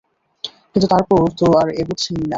কিন্তু তারপর তো আর এগুচ্ছেই না।